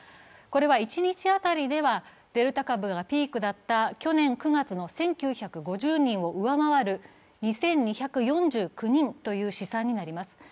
これは一日当たりではデルタ株がピークだった去年９月の１９５０人を上回る２２４９人という試算になります。